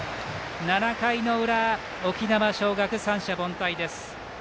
７回の裏、沖縄尚学、三者凡退。